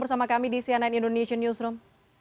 bersama kami di cnn indonesian newsroom